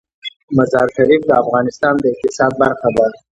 مزارشریف د افغانستان د اقتصاد برخه ده.